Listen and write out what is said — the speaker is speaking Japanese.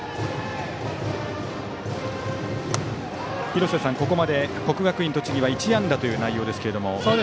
廣瀬さん、ここまで国学院栃木は１安打という内容ですけども。